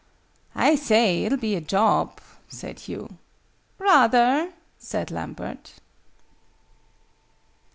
"I say! It'll be a job!" said Hugh. "Rather!" said Lambert.